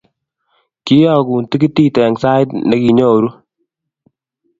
kiyookun tikitit Eng' sait ne kinyoru